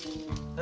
え？